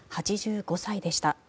８５歳でした。